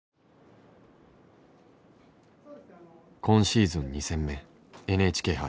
今シーズン２戦目ＮＨＫ杯。